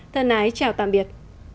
thân ái chào tạm biệt